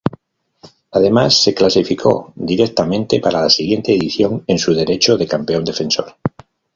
Además, se clasificó directamente para la siguiente edición, en su derecho de campeón defensor.